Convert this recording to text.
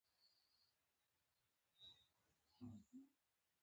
هیلۍ خپل اولادونه آرام روزي